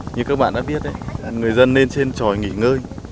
như các bạn đã biết người dân nên trên tròi nghỉ ngơi